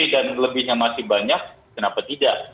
dan lebihnya masih banyak kenapa tidak